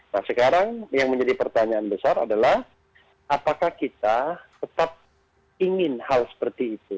nah sekarang yang menjadi pertanyaan besar adalah apakah kita tetap ingin hal seperti itu